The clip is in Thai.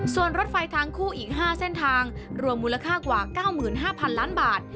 ส่วนรถไฟทางคู่อีกห้าเส้นทางรวมมูลค่ากว่าเก้ามือนห้าพันล้านบาท